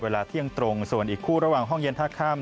เวลาเที่ยงตรงส่วนอีกคู่ระหว่างห้องเย็นท่าข้าม